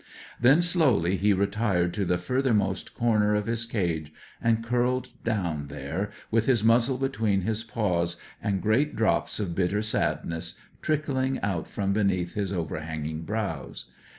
Then, slowly, he retired to the furthermost corner of his cage, and curled down there, with his muzzle between his paws, and big drops of bitter sadness trickling out from beneath his overhanging brows.